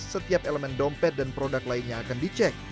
setiap elemen dompet dan produk lainnya akan dicek